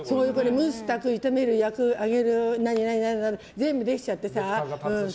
蒸す、炊く、炒める、焼く揚げる、何々全部できちゃってさ。